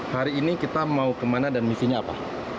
hari ini kita mau kemana dan misinya apa